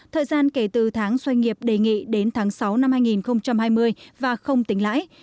thời gian kể từ tháng doanh nghiệp đề nghị đến tháng sáu năm hai nghìn hai mươi và không tính lãi